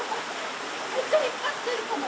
めっちゃ引っ張ってるかも。